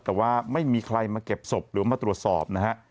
แต่ว่าไม่มีใครมาเก็บศพหรือมาตรวจสอบนะฮะ